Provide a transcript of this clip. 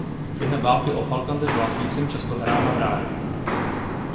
Během války o Falklandy byla píseň často hrána v rádiu.